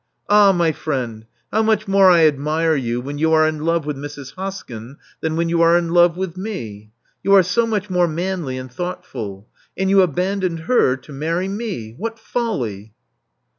Ah, my friend, how much more I admire you when you are in love with Mrs. Hoskyn than when you are in love with me! You are so much more manly and thoughtful. And you abandoned her to marry me! What folly!"